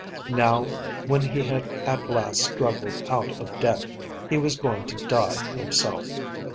Now, when he had at last struggled out of debt, he was going to die himself.